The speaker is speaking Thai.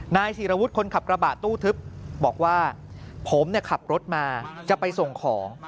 นายศิรวุฒิคนขับกระบะตู้ทึบบอกว่าผมขับรถมาจะไปส่งของ